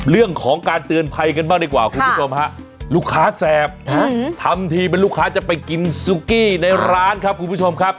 เรื่องของการเตือนภัยกันบ้างดีกว่าคุณผู้ชมฮะลูกค้าแสบทำทีเป็นลูกค้าจะไปกินซุกี้ในร้านครับคุณผู้ชมครับ